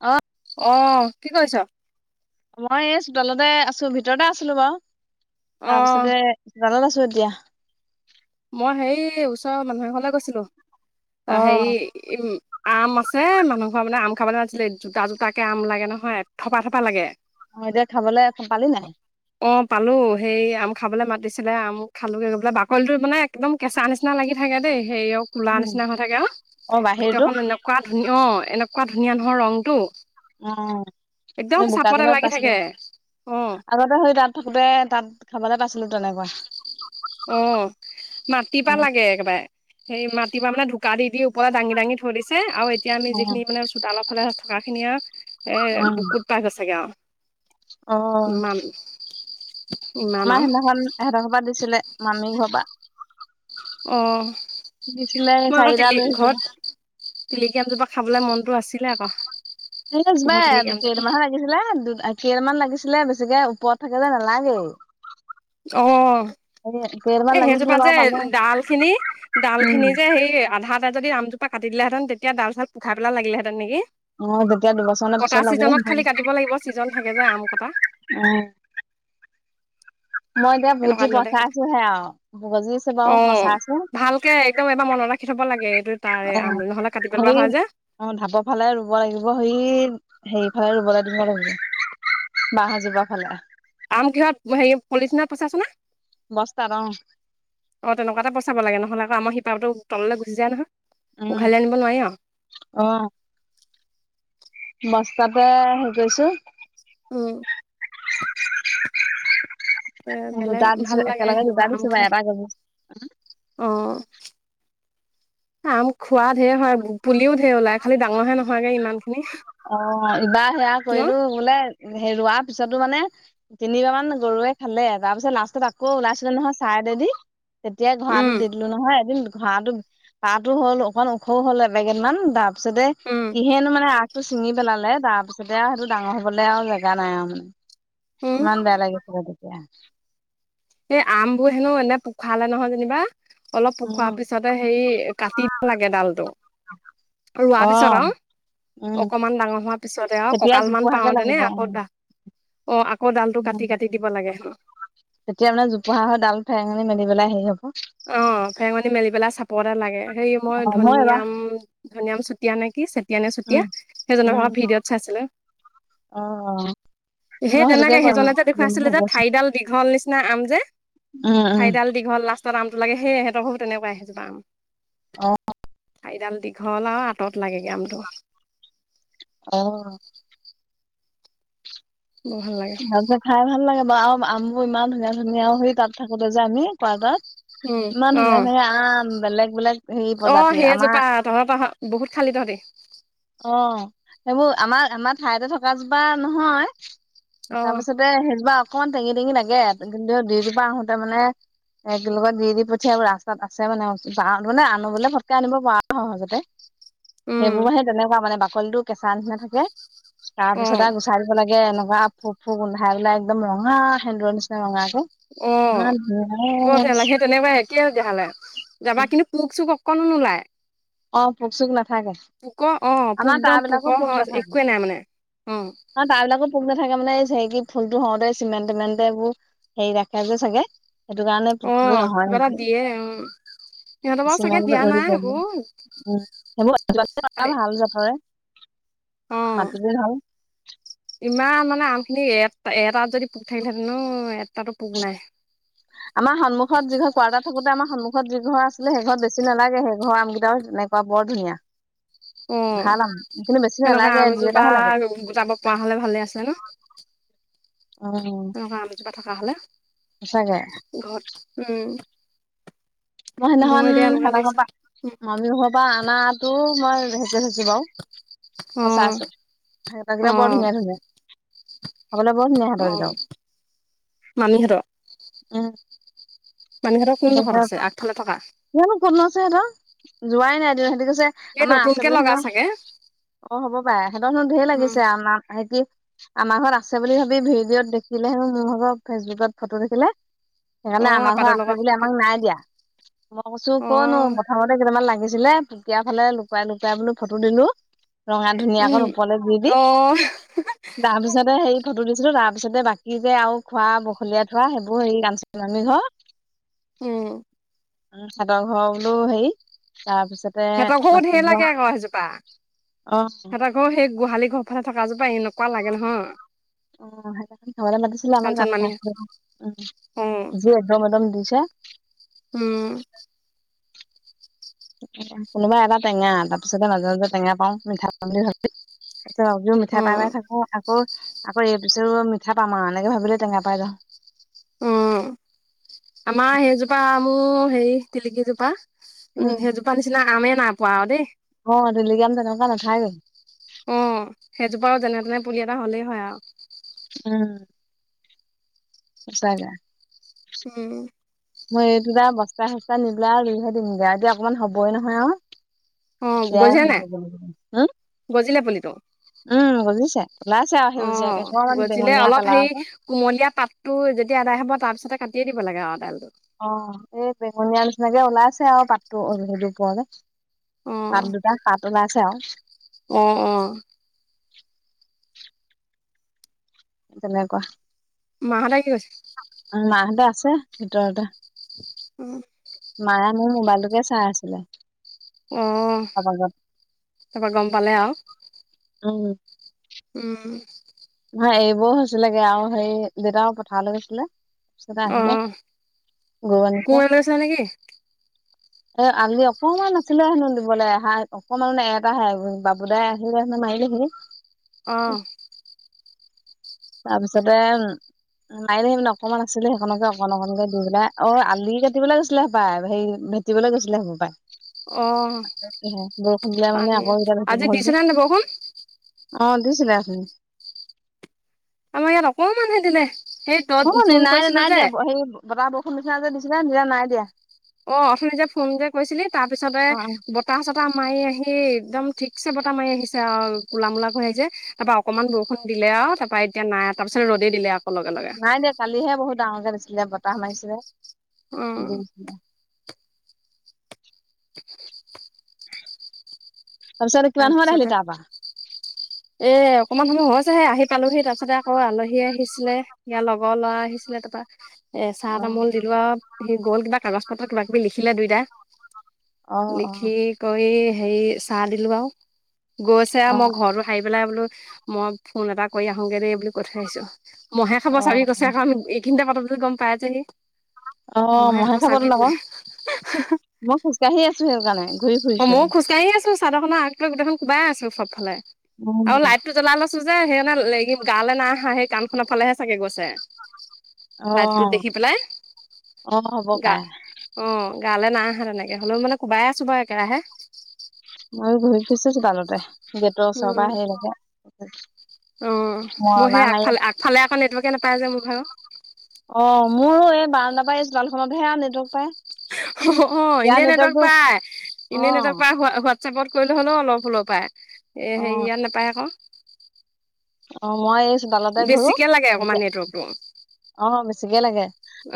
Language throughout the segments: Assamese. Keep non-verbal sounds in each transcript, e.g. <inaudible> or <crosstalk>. অ' অ', কি কৰিছ? মই এই চোতালতে আছো ভিতৰতে আছিলো বাৰু অ', তাৰপিছতে চোতালত আছো এতিয়া। মই হেৰি ওচৰৰ মানুহ এঘৰলে গৈছিলো অ হেৰি উ আম আছে মানুহ ঘৰ মানে আম খাবলে <unintelligible> জোতা জোতাকৈ আম লাগে নহয় এথোপা থপা লাগে অ', এতিয়া খাবলৈ পালি নাই? অ', পালো হেই আম খাবলৈ মাতিছিলে আম খালোগে গৈ পেৱাই বাকলিটো মানে একদম কেঁচা নিচিনা লাগি থাকে দেই হেৰি আৰু কোলা উম নিচিনা হৈ থাকে আৰু অ ভিতৰ বাহিৰতো খন <unintelligible> অ' এনেকুৱা কৰা ধুনীয়া নহয় ৰংটো অ একদম এই চাপতে বোকাখনত লাগি পাইছিলো থাকে অ'। আগতে সুই তাত থাকোঁতে তাত খাবলে পাইছিলো তেনেকুৱা অ অ মাটিপা লাগে একেবাৰে সেই মাটিৰ পৰা মানে ঢুকাা দি ওপৰত দাঙি দাঙি থৈ দিছে আৰু এতিয়া আমি অ যিখিনি মানে তালৰ ফালে থকা খিনিয়ে এ উম বুকুত পাই গৈছেগে আৰু অ উ আমাৰ সিদিনাখন সিহঁতৰ পৰা দিছিলে মামি ঘৰ পৰা অ দিছিলে মই আ চাৰিটা দলি লৈ আহিছিলে ঘৰত টিলিকি এজোপা খাবলে মনতটো আছিলে আকৌ এ ঘৰৰ বাই তিলিকি আমজোপা আৰু মাৰ লিছিলে দু আশী এ মান লাগিছিলে বেছিকে ওপৰত থাকিলে নালাগেই অ <unintelligible> এ সেইজোপা বাৰু যে পালো ডাল খিনি ডাল খিনি উম যে সেই আধা এটা যদি আমজো প কাট দিলেঁন তেতিয়াাল চাল পুাইেল লাগিলেঁতেনেকি অ যেতিয়া দুবছৰমানৰ কটা পিছত চিজনত লাগিলে খালি কাটিব লাগিব ছিজন থাকে যে আম কটা উ মই এতিয়া এনেকুৱা বুটি দিনতে পচাইছো হে আৰু বজিছে বাৰু পচাইছো একদমবাৰ মনত ৰাখি থ'ব লাগে এইটো তাৰে অ আম নহ'লে কাটি হ পেলোৱা হয় যে। অ ঢাপৰ ফালে ৰুব লাগিব সে হে ফালে ৰুবলৈ দিব লাগিব বাহ যিব ফালে আম কিহৰত হেৰি পলিচিনাৰ পইচা আছেনে অ তেনেকুৱা এটা পচাব লাগে নহলে আকৌ আমাৰ শিপাো তললৈ গুচি যায় নহয় উম, উঘালি আনিব নোৱাৰি আৰু অ বস্তাতে হেৰি কৰিছো অ এ দু বেলেগ ভাল দাদিছো লাগে কেেলগ উ সেনেকুৱা আম দাদিছো খাই। বাাৰাগিব অ আম খোৱা ঢেৰ হয় পুলিও ঢেৰ ওলাই খালি ডাঙৰহে নহয়গে ইমান খিনি অ এইবাৰ সেয়া কৰিলো বোলে হে ৰোৱাৰ পিছতো মানে তিনিবাৰ মান গৰুৱে খালে তাৰপিছত লাষ্টত আকৌ ওলাইছিলে নহয় চাই দেদি তেতিয়াই ঘৰাটোো উম, দি দিলো নহয় এদিন ঘৰাটোো তাতো হ'ল অকমান ওখও হ'ল এপেগটমান তাৰপিছতে উম, কিহেনো মানে টো চিঙি পেলালে তাৰ পিছতে আৰু সেইটো ডাঙৰ হবলৈ আৰু জেগা নাই আৰু মানে উম, নান বোলাগেছিল দতিে এই আম বোৰ হেনো এনে পোখালে নহয় যেনিবা অলপ পোখৰা উম পিছ পিছতে হে কাটি দ লাগে ডালটো অ ৰোৱাৰ পিছত আৰু উম অকণমান ডাঙৰ হোৱাৰ পিছতে আৰু তেতিয়া কঁকালমান জোপোহাকে পাওঁ লাগিব তেনে উ আকৌ দাহ অ আকৌ ডাল টো কাটি উম কাটি দিব লাগে হ তেতিয়া মানে জোপোাাহৰ ডাল ফেঙ মেল পেলাই হেৰি হব অ ফেঙনি মেলি পেলাই চাপ এটা লাগে সেই মই অ এবাৰ ধনিয়াম ধনিয়াম চটিয় নে কিি চ চুটয়া নে চুটয়া উম সেইজনৰ উম আক ভিডিঅ'ত চাইছিলো অ সেই মই সেইটোকে তেনেকে কৰিম সেইজনে যে দেখুৱাই কৰিম বুলি আছিলে যে ভাবি আছো ঠাইডাল দীঘল নিচিনা আম যে উম উম ঠাইিডাল দীঘল লা ত আমটোাগেয়ে তইো তেকুৱাই আহি যাব আম অ আ দাম দীঘল আৰু আঁত লাগেগৈ আ অ বৰ ভাল লাগে সিহতে খাই ভাল লাগে বাৰু আৰু আমো ইমান ধুনীয়া ধুনীয়া সেই তাত থাকোতে যে আমি ক তত উম ইমান অ ধুনীয়া ধুনীয়া আম বেলেগ বেলেগ হেৰি প্ৰজাতিৰ আমাৰ তহৰ তহ'ত বহুত খালি তহঁতি। অ' সেইবোৰ আমাৰ আমাৰ ঠাইতে থকা জোপা নহয়। অ তাৰপিছত, তে সেইজোপা অকমান টেঙি টেঙি লাগে, কিন্তু দুইজোপা আহোতে মানে এক লগত দি দি পঠিয়াই ৰাস্তাত আছে মানে মানে আনো নে আনো বুলিলে ফটকে আনিব পাৰ আৰু সহজতে। উম সেইবোৰ সেই তেনেকুৱা মানে বাকলিটো কেঁচা নিচিনা থাকে। অ তাৰপিছত, চাই দিব লাগে। এনেকুৱা ফোক ফু গোন্ধাই পেলাই একদম ৰঙা সেন্দুৰ নিচিনা ৰঙা টো। অ' বৰ তেলাহি তেনেকুৱাই। <unintelligible> যাবা কিন্তু পোক চোক অকণো নোলায়। অ' পোক চোক নাথাকে। পোক অ' আমাৰ তাৰ পোকদম পোক বিলাকো সহজ একোৱেই নাই মানে। অ' তাৰ বিলাকত পোক নাথাকে মানে হেৰি কি ফুলটো হওঁতে চিমেণ্ট টিমেণ্ট এইবোৰ সেই ৰাখে যে চাগে সেইটো কাৰণে অ পোকবোৰ নহয় কিবা এটা নেকি? দিয়ে উম সিহঁতৰ বাৰু চাগে দিয়া চিমেণ্ট ধূলি নাই পৰে যে। সেইবোৰ উম, খালি সেইবোৰ ভাল যাতে। অ মাতিলেই হ'ল। ইমান মানে আম খিনি এ এটাত যদি পোক থাকিলেহেতেনো অ'। আমাৰ সন্মুখত যিখন কোৱাটাৰট থাকোতে আমাৰ সন্মুখত যি ঘৰ আছিলে। সেই ঘৰ বেছি নালাগে সেই ঘৰ আম কেইটাও এনেকুৱা বৰ ধুনীয়া। অ' ভাল আম কিন্তু বেছি সেনেকুৱা নালাগে আম দুই এজোপা এটাহে লাগে গোটাব পৰা হ'লে ভালে আছিলে ন'। উম। তেনেকুৱা আম এজোপা থকা হ'লে সঁচাকে ঘৰত উম। মই মোৰ সিদিনাখন এতিয়া এনেকুৱা সিহঁতৰৰ লাগিছে ঘৰৰ মামী ঘৰ পৰা অনাটো মই হেৰি কৰি থৈছোঁ বাৰু। অ মই চাইছোঁ, সিহঁতৰ অ কেইটা বৰ ধুনীয়া, ধুনীয়া। খাবলৈ বৰ ধুনীয়া অ ইহঁতৰ কেটাও মামীহঁতৰ উম। মামি হঁতৰ কোনো ডোখৰত আছে, আগফালে থকা। জানো ক'ত লয়ইছে সিহঁতৰ যোৱাই নাই সিহঁতি কৈছে। এই আমাৰ আছে নতুনকে বুলি লগা হেনো চাগে অ' হ'ব পাৰে সিহঁতৰ হেনো ধেৰ উম লাগিছে, আমাক হেই কি আমাৰ ঘৰত আছে বুলি ভাবি ভিডিঅ'ত দেখিলেহেও মোৰ ঘৰ ফেচবুকত ফটো দেখিলে অ সেইকাৰণে আমাৰ ঘৰ এপাতৰ আছে লগত বুলি আমাক নাই দিয়া। মই কৈছোঁ অ কৰনো প্ৰথমতে কেইটামান লাগিছিলে পোকিয়া ফালে লুকাই লুকুৱাই বোলো ফটো দিলোঁ। ৰঙা উম ধুনীয়াকণ ওপৰলৈ দি দি অ তাৰ পিছতে হেই ফটো দিছিলোঁ। তাৰপিছতে বাকী যে আৰু খোৱা বখলীয়াই থোৱা সেইবোৰ হেৰি আ মামি ঘৰৰ। উম। উম, সিহঁতৰ ঘৰৰ বোলো হেৰি তাৰ পিছতে বাকি ঘৰ অ' হেইজোপা। অ' আকৌ সেই গোহালি ঘৰৰ ফালে থকা জোপা এনেকুৱা লাগে নহয়। অ' সেই খাবলৈ মাতিছিলে আমাক কাঞ্চন মামী <unintelligible> উম' অ যি এদম এদম দিছে। উম। কোনোবা এটা টেঙা তাৰপিছতে মাজে মাজে টেঙা পাওঁ মিঠা পাওঁ বুলি ভাবোঁ। এযোৰ মিঠা উম পাই পাই থাকোঁ। আকৌ আকৌ এই পিছৰ মিঠা পাম আৰু এনেকে ভাবিলে টেঙা পাই যাওঁ। উম, আমাৰ সেইজোপা আমো হেৰি তিলিকিজোপা উম, সেইজোপা নিচিনা আমেই নাই পোৱা আৰু দেই। অ' তিলিকি আম তেনেকুৱা নাথাকেই। অ' সেইজোপাও যেনে তেনে পুলি এটা হ'লেই হয় আৰু। উম। পছাইদে। উম। মই এইটো আৰু বস্তাই চস্তাই নি পেলাই আৰু ৰুইহে দিমগে এতিয়া, অকনমান হ'বই নহয় আৰু অ বেয়া গজিলে নাই হ'বগে। গজিলে পুলিটো? উম্, গজিছে, ওলাইছে আৰু অ সেউজীয়াকে অকনমান গজিলে বেঙুনীয়া অলপ হেৰি কালাৰ কে কুমলীয়া পাতটো যেতিয়া আদায় হ'ব, তাৰপিছতে কাটিয়ে দিব লাগে আৰু দালটো অ', এই বেঙুনিয়া নিচিনাকে ওলাইছে আৰু পাটতো সেই উপৰলে অ পাত দুটা, পাত ওলাইছে আৰু অ', অ' তেনেকুৱা। মাহঁততে কি কৰিছে? উম্, মাহঁতে আছে ভিতৰতে। উম্, মায়ে মোৰ মোবাইলটোকে চাই আছিলে। অ', অলপ আগত তাৰপৰা গম পালে আৰু। উম্, উম্, নহয়, এইবোৰ হৈছিলেগে আৰু হেৰি দেউতাও পথাৰলৈ গৈছিলে। তাৰপিছতে অ আহিলে, গৰু আনিছে। কোৰ লৈছিলে নেকি এ আলি অকমান আছিলে হেনো দিবলৈ, এহা অকমানানে এটাহে, দদাই আহিলে হেনো মাৰিলেহি। অ', তাৰপিছতে, নাই দিয়া, সেই মানে অকণমান আছিলে সেইকনকে অকন অকনকে দি পেলাই, অ', আলি কাটিবলৈ গৈছিলে হপাই হে। দিবলৈ গৈছিলে হ'ব পাই। অ বৰষুণ দিলে মানে পানী আকৌ এতিয়া আজি থাকিব হ'ল যে। দিছিলে নে বৰষুণ অ', দিছিলে আছিল। আমাৰ ইয়াত অকণমান হে দিলে, সেই অ', তই নাই ফোন না কৰিছিলো নাই যে দিয়া হেৰি বতাহ বৰষুণ নিচিনা যে দিচিলে নি, নাই দিয়া। অ', অথনি যে ফোন যে কৈছিলি তাৰ অ পিছতে- অ বতাহ চাহ মাৰি আহি একদম ঠিকছে বতাহ মাৰি আহিছে আৰু ক'লা মলা কৰি আহিছে। তাৰপা অকমান বৰষুণ দিলে আৰু তাৰপা এতিয়া নাই তাৰপিছত ৰ'দে দিলে আকৌ লগে লগে। নাই দিয়া, কালিহে বহুত ডাঙৰকে দিছিলে বতাহ মাৰিছিলে, অ বৰষুণ দিছিলে। <inaudible> তাৰপিছত কিমান সময়ত আহিলি তাৰপিছতে তাৰপৰা। এ অকমান সময় হৈ হৈছেহে, আহি পালোহি তাৰপাছতে আকৌ আলহী আহিছিলে। ইয়াৰ লগৰ ল'ৰা আহিছিলে তাৰপৰা। এ চাহ অ তামোল দিলো আৰু সি গ'ল কিবা কাগজ পত্ৰ কিবা কিবি লিখিলে দুইটাই। অ অ লখি কৰি হেই, চাহ দিলোঁ আৰু। গৈছে আৰু অ মই ঘৰতো সাৰি পেলাই বোলো, মই ফোন এটা কৰি আহোগে দেই বুলি কৈ থৈ আহিছোঁ। মহে খাব অ চাবি কৈছে, কাৰণ এইখিনিতে কথা পাতোঁ, গম পাইযে সি। অ', মহে খাব তোন আকৌ, মই খোজকাঢ়ি আছোঁ সেই কাৰণে, ঘূৰি ফুৰি। অ', ময়ো খোজকাঢ়ি আছোঁ, চাদৰখনৰ আগটোৱে গোটেইখন কোবাই আছোঁ সবফালে উম আৰু লাইট লাইটটো জ্বলাই লৈছোঁ যে, সেইকাৰণে লাগিম গালে নাই আহা, সেই কান খনৰ ফালেহে চাগে গৈছে। অ লাইট টো দেখি পেলাই অ হ'ব গা পাই অ', গালে নাই অহা তেনেকে, হ'লেও মানে কোবাই আছোঁ বাৰু একেৰাহে। মইয়ো ঘূৰি ফুৰিছোঁ চোতালতে। গেটৰ ওচৰৰ উম পৰা আহিলোঁগে, মৰণা মাৰি আ ফালে আকৌ নেটৱৰ্কে নাপায় যে মোৰ ভাগৰ। অ', মোৰো এই বাৰান্দা পৰা এই চোতালখনত হে নেটৱৰ্ক পাই অ', অ', ইনেই নেটৱৰ্ক পাই, অ ইনেই নেটৱৰ্ক পাই হোৱা হ। প কৰিলে হ'লেও অলপ হুলৰ পায় এ অ হেৰি ইয়াত নাপায় আক। অ', মই অ', বেক ল তাৰপিছ বেছিকে লাগে অকমান নেটৱৰ্কটো,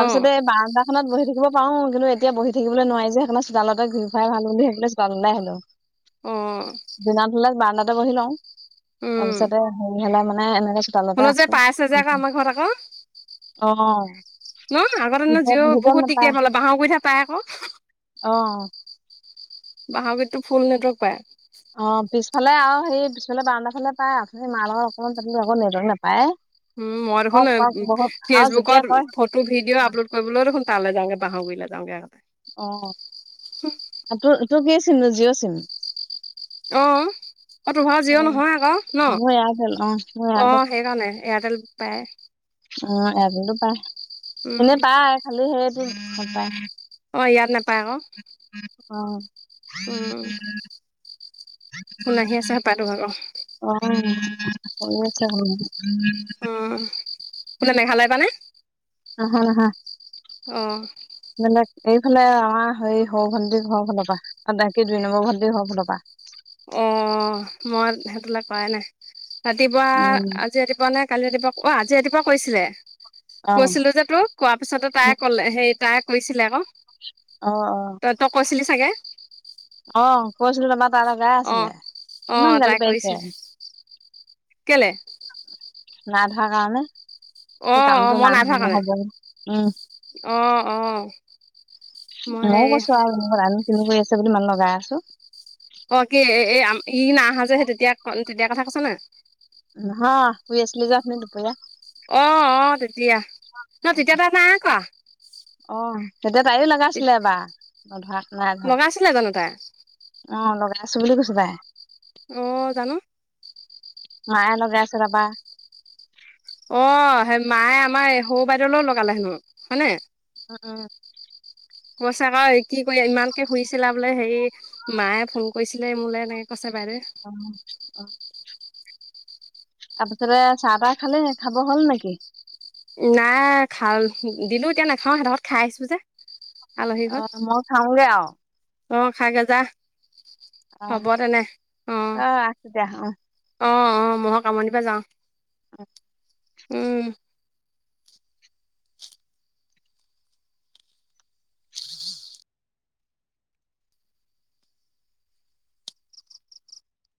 অ', ব সখনত বি থাকিব পাৰো কিন্তু এতিয়া বহি থাকিব নোৱাৰি যে সেইখন চোতালতে ঘূৰি ফাই ভাল বু সেইো চোাললাই হ'লো। <inaudible> উম। দিনা হলে বাৰ্ডাতে বহি লওঁ তাৰপিছতে হেৰি হ'লে মানে এনেকে চোতালতে শুনো যে আছো পাই আছে যে আকৌ আমাৰ ঘৰত আকৌ। অ ন আগৰ দ ভিতৰত জি ভিতৰত বহুত নাপায় দিগদাৰ ভালে বাঁাহৰ কৰি থ পাই আকৌ। অ'। বাহহৰ গীততো ফুল নেটৱৰ্ক পায়। আহ পিছফালে আৰু সেই পিছফালে বাৰণ্ডটা ফালে পায় আপুনি মাৰ লগৰ অকনমান আ নেটৱৰ্ক নাপায়। উম, মই দেখোন কওক কওক বহুত আৰু যেতিয়া ফেচবুকৰ কয় ফ তোৰ ভিডিঅ আপলোড কৰিবলৈও দেোন তাল যাগে বাহাগৰিলৈ যাওঁগ আগতে। অ', তোৰ তোৰ কি চিম যিও চিম। অহ। অ‌হ তটোভাৰ অ জিঅ' নহয় আকৌ ন মোৰ এয়াৰটেল মোৰ অ' সেইকাৰণে এয়াৰটেল পায়। অহ এজনো পায় উম, এনেই পায় খালি সেইটো গম পায়। অহ ইয়াত নাপায় আকৌ। অহ। উম। কোন আহি আছেহে পাৰো আৰু। অহ আছে। অহ বোলে মেঘালয় পানে। অ', হয় হয়া। অহ। বেলে এইফালে আমাৰ সেই সৰু ভণ্টিৰ ঘৰৰ ফালৰ পৰা ডী দুই নম্বৰ ভণ্টিৰ ঘৰ ফালৰ পৰা। অ', মই সেইটো লে কৰাই নাই ৰাতিপুৱা উম আজি ৰাতিপুৱা নে। কালি ৰাতিপুৱা অ আজি ৰাতিপুৱা কৈছিলে অ কৈছিলোঁ যে। তো কোৱা পিছতে তাই কলে সেই তাই কৈছিলে আকৌ। অহ। তই তই কৈছিলি চাগৈ। অহ কৈছিলো তোমাৰ তাল গা অ', আছিলে অ', কিমান তাই গালি পাইিছে। কৰিছিল কেলে। না ধোৱা কাৰণে ত অ', কামটো না হোৱা নহ'ব উম। আহ অহ। মইয়ও কৈছো আৰু ম আ কিনি কৰি আছে বুলি মান লগাই আছো। অ কি এ ই নাহা যেহে তেতিয়া তেতিয়া কথা কৈছ ন। হা উছলে যাত ন ৰপয়া। অ অ তেতিয়া ন তেতিয়া তা নাই কোৱা। অ তেতিয়া তাইও লগাইছিলে বাাৰ নধৰা নাই ধৰা। লগাইছিলে জানো তাই অ লগাই আছো বুলি কৈছো বাই। অ জানো। মায়ান গাস ৰাবা। অ সেই মায়ে আমাৰ এই সৰু বাইদেউলৈও লগালে হেনো হয়নে। অ অ। পছাকৰ কি কৰি ইমানকে শুইছিলা বোলে হেৰি মায়ে ফোন কৰিছিলে মোলৈ এনেকে কৈছে বাইদেউ। অ অ। তাৰপিছতে চাহ তাহ খালে খাব হ'ল নেকি। নাই খাল দিলো এতিয়া নাখাও সহতত খাই আহিছো যে আলহী ঘ অ মই খাওঁগে আৰু অ খাক এজা অ হব তেনে অ তই ৰাখ তেতিয়া অ অ অ মই কামনিৰ পৰা যাওঁ অ উম